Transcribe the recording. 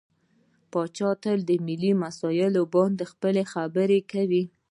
پاچا تل په ملي مسايلو باندې خپله خبرې کوي .